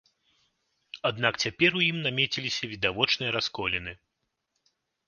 Аднак цяпер у ім намеціліся відавочныя расколіны.